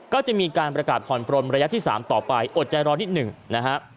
ก็จะมีการประกาศผ่อนปลนระยะที่๓ต่อไปอดใจรอนิดหนึ่งนะฮะ